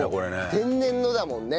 天然のだもんね。